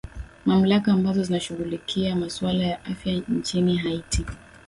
mamlaka ambazo zinashughulikia maswala za afya nchini haiti